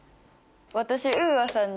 私ＵＡさんに。